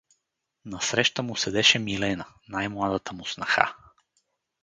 Насреща му седеше Милена, най-младата му снаха.